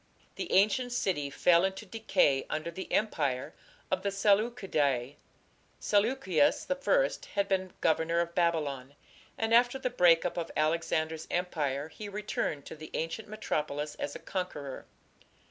The ancient city fell into decay under the empire of the Seleucidae. Seleucus I had been governor of Babylon, and after the break up of Alexander's empire he returned to the ancient metropolis as a conqueror.